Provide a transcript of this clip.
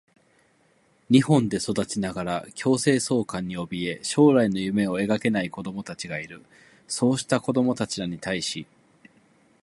日本で育ちながら強制送還におびえ、将来の夢を描けない子どもたちがいる。そうした子どもらに対し、